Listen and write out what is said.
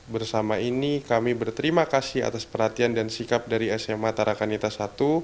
bersama ini kami berterima kasih atas perhatian dan sikap dari sma tarakanita i